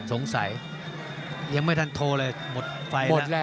สงสัยยังไม่ทันโทรเลยหมดไฟหมดแล้ว